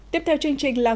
tiếp theo chương trình là